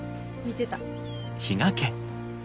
見てた。